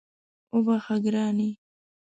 وبخښه ګرانې